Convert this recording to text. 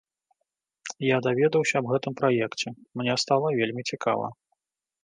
Я даведаўся аб гэтым праекце, мне стала вельмі цікава.